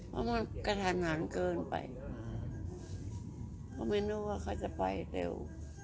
เพราะมันกระทันหันเกินไปเขาไม่นึกว่าเขาจะไปเร็ว